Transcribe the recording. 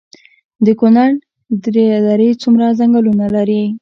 د کونړ درې څومره ځنګلونه لري؟